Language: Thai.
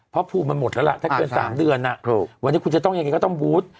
เพราะภูมิมันหมดแล้วล่ะถ้าเกิน๓เดือนวันนี้คุณจะต้องยังไงก็ต้องบูธ